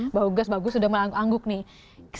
mbak hugas bagus sudah melangguk angguk nih